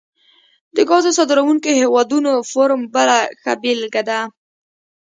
د ګازو صادرونکو هیوادونو فورم بله ښه بیلګه ده